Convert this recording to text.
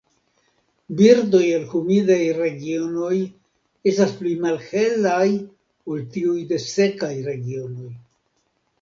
Birdoj el humidaj regionoj estas pli malhelaj ol tiuj de la sekaj regionoj.